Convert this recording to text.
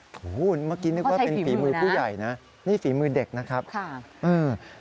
โอ้โฮเมื่อกี้นึกว่าเป็นฝีมือผู้ใหญ่นะนี่ฝีมือเด็กนะครับโอ้โฮใช่ฝีมือนะค่ะ